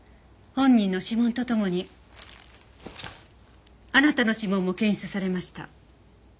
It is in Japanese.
本人の指紋と共にあなたの指紋も検出されました。